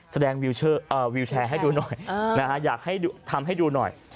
แสดงวิวแชร์ให้ดูหน่อยอยากให้ทำให้ดูหน่อย